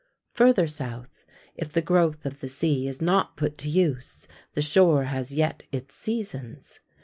Further south, if the growth of the sea is not so put to use, the shore has yet its seasons.